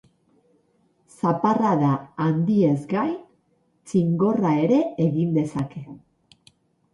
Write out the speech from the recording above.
Zaparrada handiez gain, txingorra ere egin dezake.